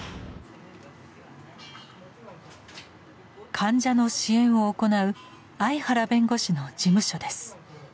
患者の支援を行う相原弁護士の事務所です。